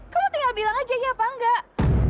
kamu tinggal bilang aja ya apa enggak